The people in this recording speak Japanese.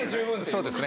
そうですね。